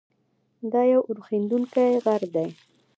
دا یو اورښیندونکی غر دی.